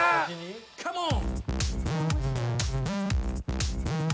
カモン！